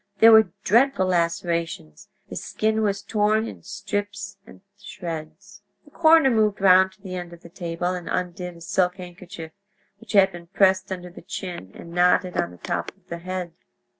There were dreadful lacerations; the skin was torn in strips and shreds. The coroner moved round to the end of the table and undid a silk handkerchief, which had been passed under the chin and knotted on the top of the head.